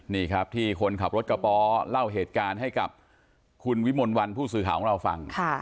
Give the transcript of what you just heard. นี่ครับที่คนขับรถกระป๋อเล่าเหตุการณ์ให้กับคุณวิมลวันผู้สื่อข่าวของเราฟัง